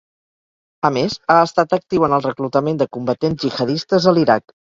A més, ha estat actiu en el reclutament de combatents jihadistes a l'Iraq.